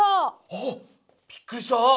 ああっびっくりした！